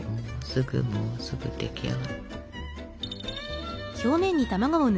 すぐもうすぐ出来上がる。